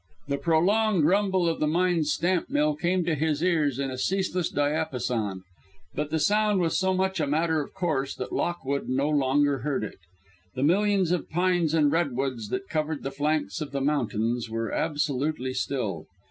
The prolonged rumble of the mine's stamp mill came to his ears in a ceaseless diapason, but the sound was so much a matter of course that Lockwood no longer heard it. The millions of pines and redwoods that covered the flanks of the mountains were absolutely still.